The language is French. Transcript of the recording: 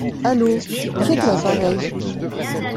Allo, qui est à l'appareil?